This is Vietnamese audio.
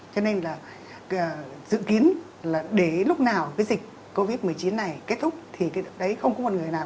cho nên là dự kiến là để lúc nào cái dịch covid một mươi chín này kết thúc thì cái đấy không có một người nào